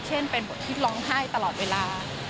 เช่นเป็นบทที่ร้องไห้ตลอดเวลา